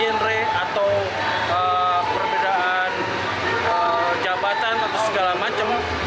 genre atau perbedaan jabatan atau segala macam